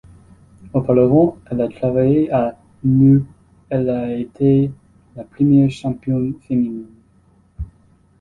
Auparavant elle a travaillé à l' où elle a été la première Championne Féminine.